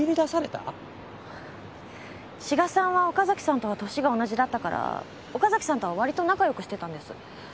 志賀さんは岡崎さんとは年が同じだったから岡崎さんとは割と仲良くしてたんです。